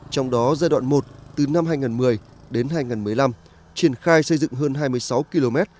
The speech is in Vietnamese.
trong đó giai đoạn một từ năm hai nghìn một mươi đến hai nghìn một mươi năm triển khai xây dựng hơn hai mươi sáu km